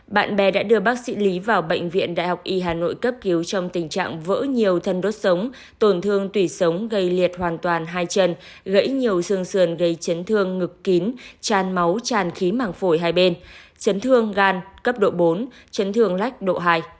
bạn bè đã đưa bác sĩ lý vào bệnh viện đại học y hà nội cấp cứu trong tình trạng vỡ nhiều thân đốt sống tổn thương tủy sống gây liệt hoàn toàn hai chân gãy nhiều xương sườn gây chấn thương ngực kín tràn máu tràn khí mảng phổi hai bên chấn thương gan cấp độ bốn chấn thương lách độ hai